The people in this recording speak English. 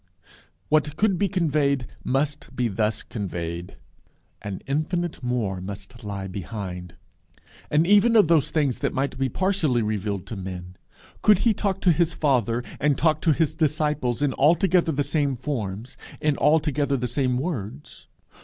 What could be conveyed must be thus conveyed: an infinite More must lie behind. And even of those things that might be partially revealed to men, could he talk to his Father and talk to his disciples in altogether the same forms, in altogether the same words?